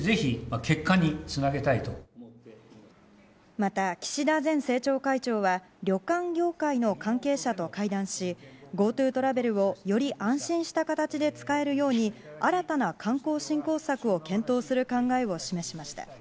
また、岸田前政調会長は旅館業界の関係者と会談しＧｏＴｏトラベルをより安心した形で使えるように新たな観光振興策を検討する考えを示しました。